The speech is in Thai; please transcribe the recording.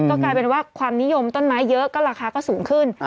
ก็กลายเป็นว่าความนิยมต้นไม้เยอะก็ราคาก็สูงขึ้น